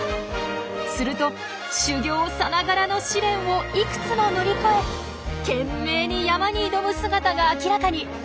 すると修行さながらの試練をいくつも乗り越え懸命に山に挑む姿が明らかに！